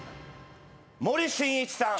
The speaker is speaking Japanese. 森進一さん。